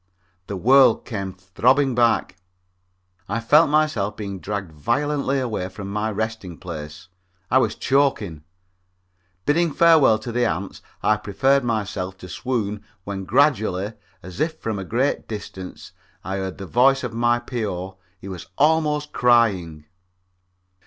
The world came throbbing back. I felt myself being dragged violently away from my resting place. I was choking. Bidding farewell to the ants, I prepared myself to swoon when gradually, as if from a great distance, I heard the voice of my P.O. He was almost crying.